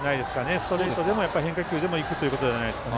ストレートでも、変化球でもいくということじゃないですか。